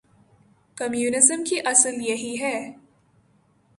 Communism کی اصل یہی ہے۔